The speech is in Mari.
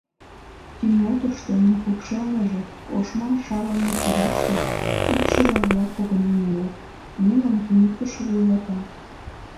Тӱҥотышто, эн покшелныже, ошма шавыме чараште, икшыве-влак погынен улыт, нуным туныктышо вуйлата.